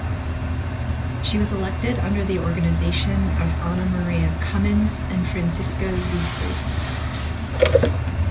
She was elected under the organization of Ana Maria Cummins and Francisco Zegers.